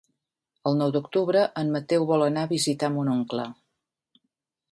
El nou d'octubre en Mateu vol anar a visitar mon oncle.